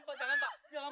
tidak ada yang lewat